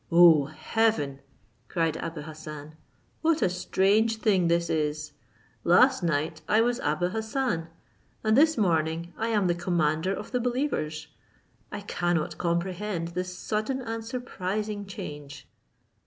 "O heaven!" cried Abou Hassan, "what a strange thing this is! Last night I was Abou Hassan, and this morning I am the commander of the believers! I cannot comprehend this sudden and surprising change."